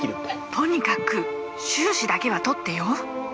とにかく修士だけは取ってよ？